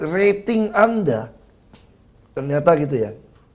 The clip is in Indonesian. rating anda ternyata gitu ya